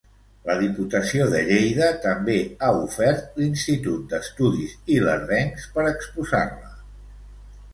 La Diputació de Lleida també ha ofert l'Institut d'Estudis Ilerdencs per exposar-la.